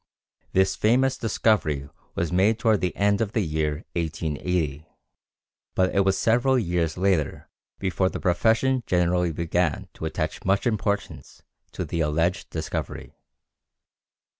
This famous discovery was made toward the end of the year 1880, but it was several years later before the profession generally began to attach much importance to the alleged discovery.